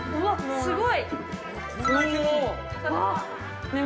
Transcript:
◆すごい。